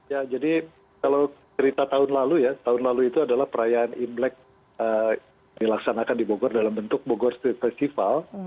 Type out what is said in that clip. ya jadi kalau cerita tahun lalu ya tahun lalu itu adalah perayaan imlek dilaksanakan di bogor dalam bentuk bogor street festival